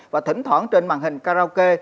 và thỉnh thoảng trên màn hình karaoke